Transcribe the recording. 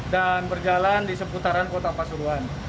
dan berjalan di seputaran kota pasuruan